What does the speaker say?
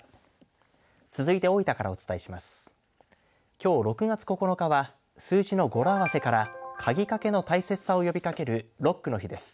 きょう６月９日は数字の語呂合わせから鍵かけの大切さを呼びかけるロックの日です。